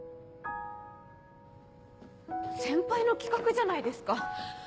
先輩の企画じゃないですか。